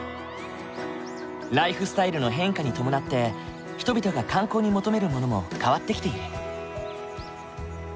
ライフスタイルの変化に伴って人々が観光に求めるものも変わってきている。